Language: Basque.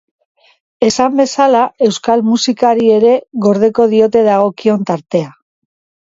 Esan bezala, euskal musikari ere gordeko diote dagokion tartea.